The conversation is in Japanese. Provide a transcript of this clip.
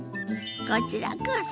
こちらこそ！